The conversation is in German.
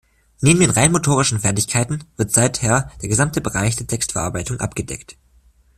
Neben den rein motorischen Fertigkeiten, wird seither der gesamte Bereich der Textverarbeitung abgedeckt.